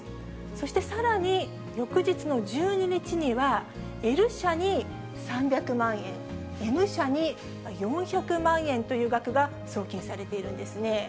そしてさらに翌日の１２日には、Ｌ社に３００万円、Ｍ社に４００万円という額が送金されているんですね。